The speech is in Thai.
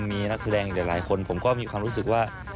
มีนักแสดงอีกหลายคนผมก็มีความรู้สึกว่า